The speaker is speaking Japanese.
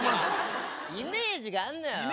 イメージがあんのよ。